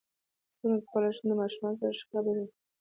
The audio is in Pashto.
څنګه کولی شم د ماشومانو سره ښه خبرې وکړم